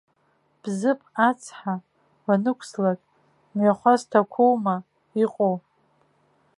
Бзыԥ ацҳа уаннықәслак, мҩахәасҭақәоума иҟоу?